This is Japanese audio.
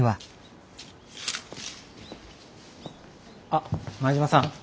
あっ前島さん。